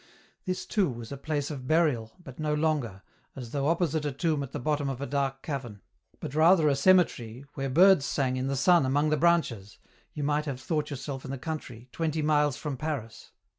This too was a place of burial, but no longer, as though opposite a tomb at the bottom of a dark cavern, but rather a cemetery where birds sang in the sun among the branches, you might have thought yourself in the country, twenty miles from Paris.